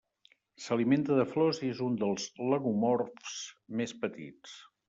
S'alimenta de flors i és un dels lagomorfs més petits.